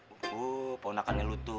oh pengennya lu itu